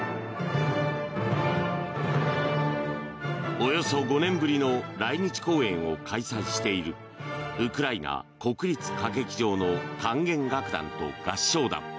およそ５年ぶりの来日公演を開催しているウクライナ国立歌劇場の管弦楽団と合唱団。